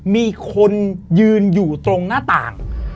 มีคนยืนอยู่ตรงหน้าต่าง